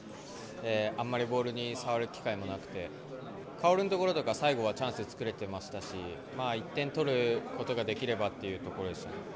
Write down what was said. あんまりボールに触る機会もなくて薫のところとか最後はチャンス作れてましたし１点取ることができればというところでしょうか。